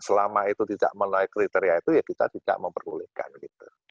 selama itu tidak menaik kriteria itu ya kita tidak mempergulihkan